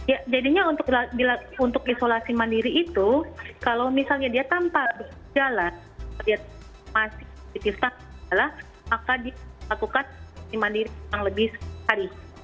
ya jadinya untuk isolasi mandiri itu kalau misalnya dia tanpa bergejala dia masih dipisah ke gejala maka dia lakukan isolasi mandiri kurang lebih satu hari